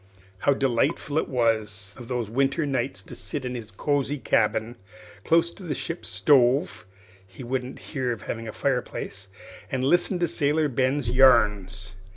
How delightful it was of winter nights to sit in his cosey cabin, close to the ship's stove (he wouldn't hear of having a fireplace), and listen to Sailor Ben's yarns!